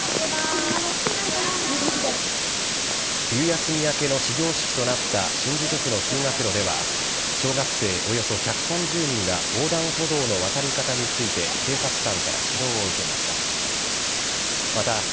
冬休み明けの始業式となった新宿区の通学路では、小学生およそ１３０人が横断歩道の渡り方について警察官から指導を受けました。